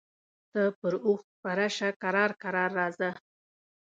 ته پر اوښ سپره شه کرار کرار راځه.